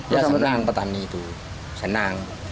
ya senang petani itu senang